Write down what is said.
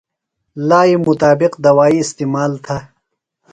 لائی مطابق دوائی استعمال تھہ۔